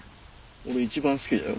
俺一番好きだよ